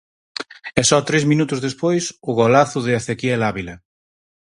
E só tres minutos despois, o golazo de Ezequiel Ávila.